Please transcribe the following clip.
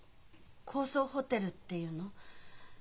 高層ホテルっていうの？